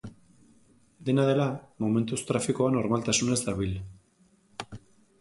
Dena dela, momentuz trafikoa normaltasunez dabil.